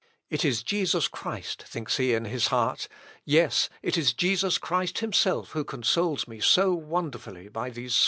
"It is Jesus Christ," thinks he in his heart. "Yes, it is Jesus Christ himself who consoles me so wonderfully by these sweet and salutary words."